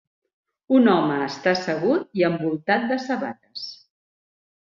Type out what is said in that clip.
Un home està assegut i envoltat de sabates.